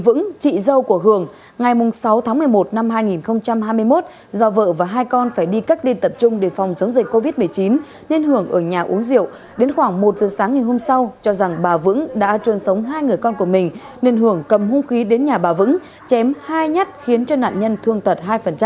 vợ vững chị dâu của hường ngày sáu tháng một mươi một năm hai nghìn hai mươi một do vợ và hai con phải đi cách điên tập trung để phòng chống dịch covid một mươi chín nên hưởng ở nhà uống rượu đến khoảng một giờ sáng ngày hôm sau cho rằng bà vững đã trôn sống hai người con của mình nên hưởng cầm hung khí đến nhà bà vững chém hai nhát khiến cho nạn nhân thương tật hai